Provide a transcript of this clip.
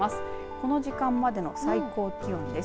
この時間までの最高気温です。